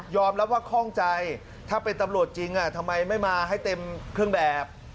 รับว่าข้องใจถ้าเป็นตำรวจจริงทำไมไม่มาให้เต็มเครื่องแบบ